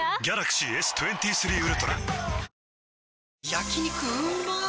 焼肉うまっ